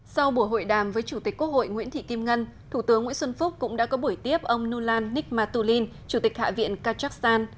sau buổi hội đàm với chủ tịch quốc hội nguyễn thị kim ngân thủ tướng nguyễn xuân phúc cũng đã có buổi tiếp ông nulan nikmatulin chủ tịch hạ viện kazakhstan